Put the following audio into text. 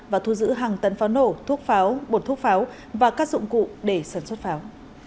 và thu giữ hàng tấn pháo nổ thuốc pháo bột thuốc pháo và các dụng cụ để sản xuất pháo